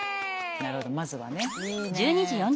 なるほどまずはね。